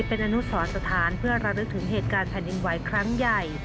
เป็นอนุสรสถานเพื่อระลึกถึงเหตุการณ์แผ่นดินไหวครั้งใหญ่